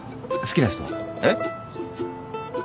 好きな人は？えっ？